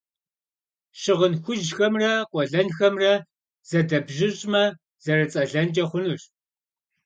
Щыгъын хужьхэмрэ къуэлэнхэмрэ зэдэбжьыщӏмэ, зэрыцӏэлэнкӏэ хъунущ.